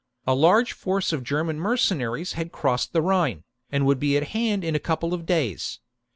A large force of German mercenaries had crossed the Rhine, and would be at hand in a couple of days.